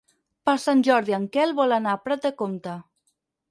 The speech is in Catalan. Per Sant Jordi en Quel vol anar a Prat de Comte.